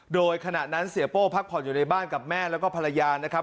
โดยขณะนั้นเสียโป้พักผ่อนอยู่ในบ้านกับแม่แล้วก็ภรรยานะครับ